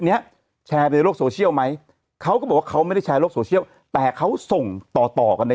เนี้ยแชร์ในโลกโซเชียลไหมเขาก็บอกว่าเขาไม่ได้แชร์โลกโซเชียลแต่เขาส่งต่อต่อกันใน